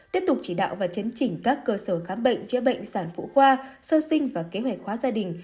tiếp tục chỉ đạo và chấn chỉnh các cơ sở khám bệnh chữa bệnh sản phụ khoa sơ sinh và kế hoạch hóa gia đình